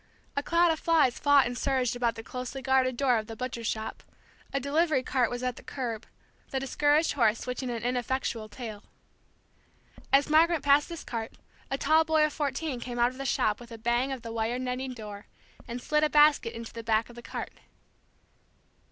A cloud of flies fought and surged about the closely guarded door of the butcher shop; a delivery cart was at the curb, the discouraged horse switching an ineffectual tail. As Margaret passed this cart, a tall boy of fourteen came out of the shop with a bang of the wire netting door, and slid a basket into the back of the cart.